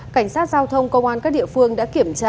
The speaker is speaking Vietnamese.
cảnh sát giao thông công an các địa phương đã kiểm tra